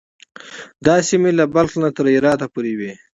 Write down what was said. دا سیمې له بلخ نه تر هرات پورې وې.